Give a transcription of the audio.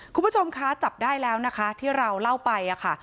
คุณผู้ชมคะจับได้แล้วนะคะที่เราเล่าไปค่ะ